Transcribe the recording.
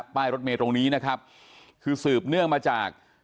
ป้ายรถเมย์ตรงนี้นะครับคือสืบเนื่องมาจาก